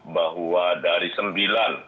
bahwa dari sembilan